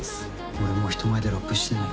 俺、もう人前でラップしてない。